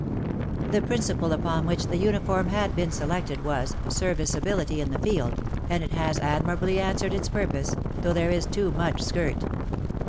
The principle upon which the uniform had been selected was serviceability in the field, and it has admirably answered its purpose, though there is too much skirt.